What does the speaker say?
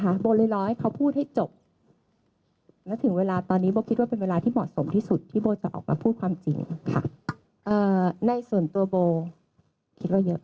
โบเลยรอให้เขาพูดให้จบและถึงเวลาตอนนี้โบคิดว่าเป็นเวลาที่เหมาะสมที่สุดที่โบจะออกมาพูดความจริงค่ะในส่วนตัวโบคิดว่าเยอะ